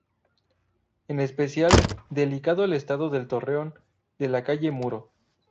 Es especial delicado el estado del Torreón de la calle Muro.